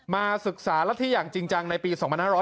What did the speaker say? มาศึกษารัฐธิอย่างจริงจังในปี๒๕๖๐